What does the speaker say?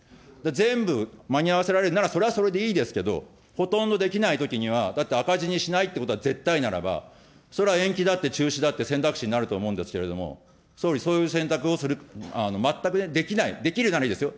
全部間に合わせられるならそれはそれでいいですけど、ほとんどできないときには、だって赤字にしないってことは絶対ならば、それは延期だって、中止だって、選択肢になると思うんですけれども、総理、そういう選択をする、全くできない、できるならいいですよ。